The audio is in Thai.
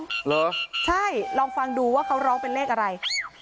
เหรอใช่ลองฟังดูว่าเขาร้องเป็นเลขอะไร